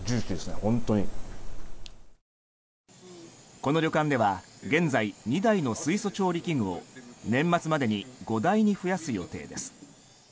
この旅館では現在２台の水素調理器具を年末までに５台に増やす予定です。